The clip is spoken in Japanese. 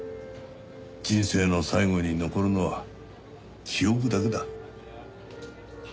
人生の最後に残るのは記憶だけだ。